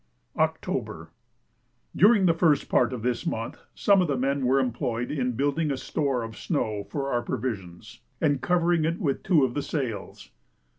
October. During the first part of this month some of the men were employed in building a store of snow for our provisions, and covering it with two of the sails.